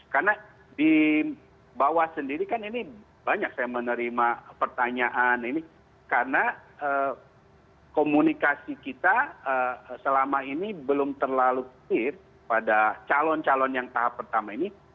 karena di bawah sendiri kan ini banyak saya menerima pertanyaan ini karena komunikasi kita selama ini belum terlalu clear pada calon calon yang tahap pertama ini